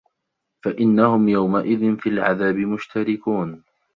فَإِنَّهُم يَومَئِذٍ فِي العَذابِ مُشتَرِكونَ